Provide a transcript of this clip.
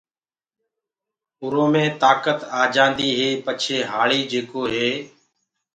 اُرو مي تآڪت آجآندي هي پڇي هآݪي جيڪو هي